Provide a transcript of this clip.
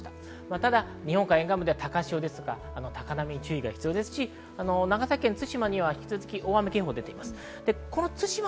ただ日本海沿岸部は高波、高潮に注意が必要ですし、長崎県対馬には引き続き大雨警報が出ています。